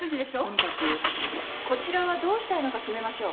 とにかくこちらはどうしたいのか決めましょう。